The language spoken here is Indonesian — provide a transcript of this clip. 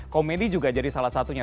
komedi juga jadi salah satunya